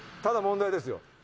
ただ問題ですよ